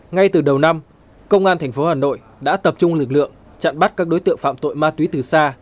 ngay từ đầu năm công an tp hà nội đã tập trung lực lượng chặn bắt các đối tượng phạm tội ma túy từ xa